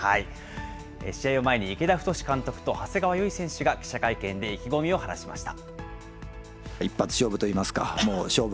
試合を前に、池田太監督と長谷川唯選手が記者会見で意気込みを話しました。